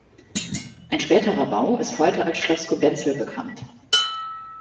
Ein späterer Bau ist heute als Schloss Cobenzl bekannt.